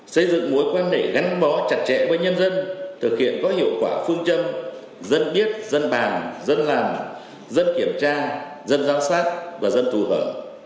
xây dựng mối quan hệ gắn bó chặt chẽ với nhân dân thực hiện có hiệu quả phương châm dân biết dân bàn dân làm dân kiểm tra dân giám sát và dân thù hưởng